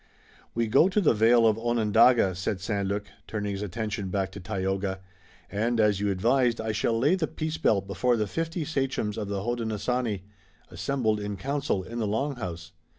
"We go to the Vale of Onondaga," said St. Luc, turning his attention back to Tayoga, "and as you advised I shall lay the peace belt before the fifty sachems of the Hodenosaunee, assembled in council in the Long House."